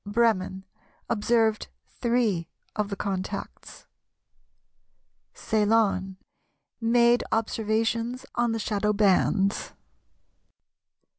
Bremen, Observed three of the contacts. Ceylon, Made observations on the shadow bands.